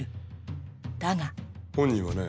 だが本人はね